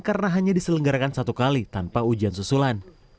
karena hanya diselenggarakan satu kali tanpa ujian susulan